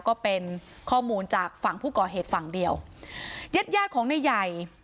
ก็เป็นข้อมูลจากฝั่งผู้ก่อเหตุฝั่งเดียวญาติญาติของนายใหญ่